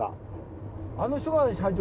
あの人が社長。